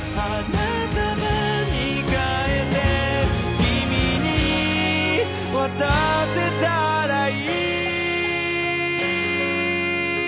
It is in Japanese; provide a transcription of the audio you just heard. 「君に渡せたらいい」